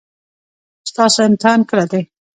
ستاسو امتحان کله دی؟